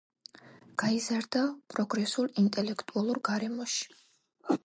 გაიზარდა პროგრესულ ინტელექტუალურ გარემოში.